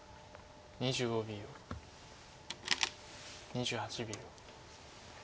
２８秒。